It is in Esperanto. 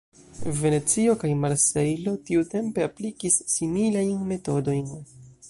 Venecio kaj Marsejlo tiutempe aplikis similajn metodojn.